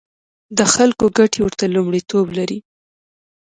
د خلکو ګټې ورته لومړیتوب لري.